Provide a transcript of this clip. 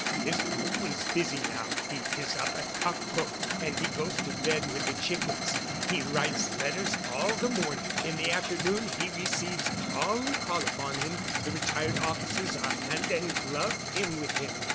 He is always busy now. He is up at cock crow and he goes to bed with the chickens. He writes letters all the morning. In the afternoon he receives all who call upon him. The retired officers are hand and glove in with him.